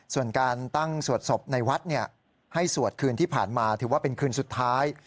ส่วนการตั้งสวดศพในวัดให้สวดคืนที่ผ่านมาถือว่าเป็นคืนสุดท้าย